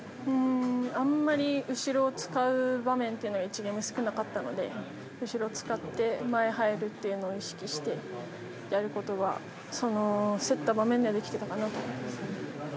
あんまり後ろを使う場面は１ゲーム目、少なかったので後ろを使って前に入るっていうのを意識してやるというのは競った場面ではできていたかなと思います。